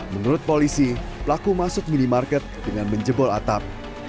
menurut polisi pelaku masuk minimarket dengan menjebol atap